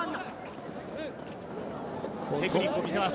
テクニックを見せます。